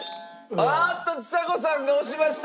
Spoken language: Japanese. あっとちさ子さんが押しました！